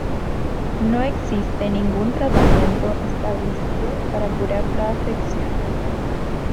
No existe ningún tratamiento establecido para curar la afección.